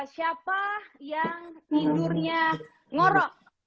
siapa yang tidurnya ngorok